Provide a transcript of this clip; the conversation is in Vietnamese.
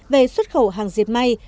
về xuất khẩu hàng diệt mạng